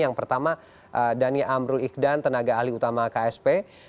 yang pertama dhani amrul ikhdan tenaga ahli utama ksp